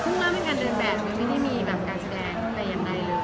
เริ่มเป็นการเดินแบบมันไม่ได้มีการแสดงแต่อย่างใดเลย